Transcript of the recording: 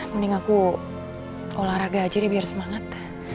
mending aku olahraga aja deh biar semangat